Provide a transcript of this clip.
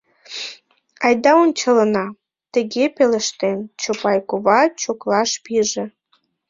Айда ончалына, — тыге пелештен, Чопай кува чоклаш пиже.